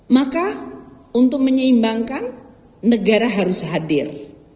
maka untuk menyeimbangkan negara harus hadir